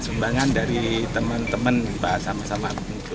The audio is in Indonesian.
sumbangan dari teman teman sama sama